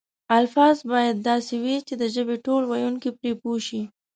الفاظ باید داسې وي چې د ژبې ټول ویونکي پرې پوه شي.